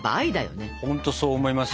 ほんとそう思いますよ。